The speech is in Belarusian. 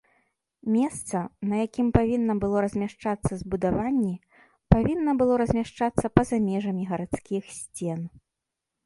Месца, на якім павінна было размяшчацца збудаванне, павінна было размяшчацца па-за межамі гарадскіх сцен.